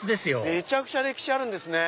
めちゃくちゃ歴史あるんですね。